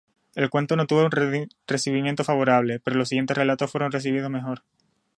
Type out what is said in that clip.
El cuento no tuvo un recibimiento favorable, pero los siguientes relatos fueron recibidos mejor.